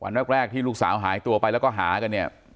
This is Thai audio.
วันแรกที่ลูกสาวหายไปเห็นแล้วก็หาก็เนี่ย